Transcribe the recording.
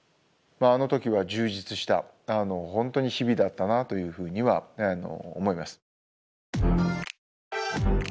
あの時は充実した本当に日々だったなというふうには思います。